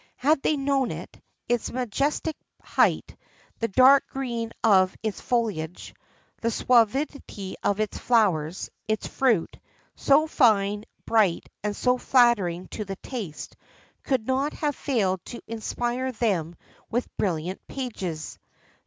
Had they known it, its majestic height, the dark green of its foliage, the suavity of its flowers, its fruit, so fine, bright, and so flattering to the taste, could not have failed to inspire them with brilliant pages.